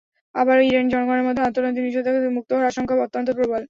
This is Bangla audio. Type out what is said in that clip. আবার ইরানি জনগণের মধ্যে অর্থনৈতিক নিষেধাজ্ঞা থেকে মুক্ত হওয়ার আকাঙ্ক্ষা অত্যন্ত প্রবল।